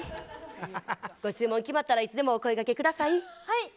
ご注文決まったらいつでもお声がけください。